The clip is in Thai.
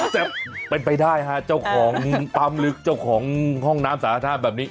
แต่มันไปได้ห้ะเจ้าของตำนึกเจ้าของห้องน้ำสาธารณะแบบนี้